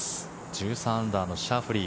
１３アンダーのシャフリー。